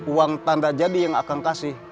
uang tanda jadi yang akan kasih